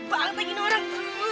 aduh berat banget ini orang